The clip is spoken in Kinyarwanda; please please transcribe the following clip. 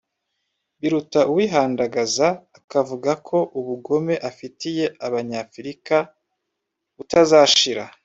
biruta uwihandagaza akavuga ko ubugome afitiye abanyafrica butazashira